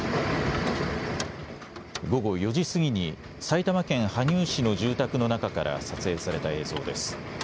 午後４時過ぎに埼玉県羽生市の住宅の中から撮影された映像です。